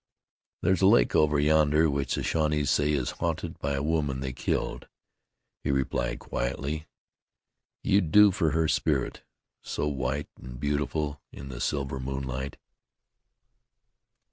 "There's a lake over yonder which the Shawnees say is haunted by a woman they killed," he replied quietly. "You'd do for her spirit, so white an' beautiful in the silver moonlight."